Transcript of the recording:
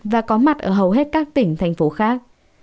và có mặt ở hầu hết các tỉnh thành phố khác